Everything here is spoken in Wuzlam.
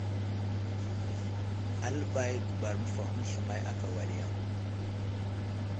Aləɓay guɓar məfahoŋ sləmay ákà wal yaŋ.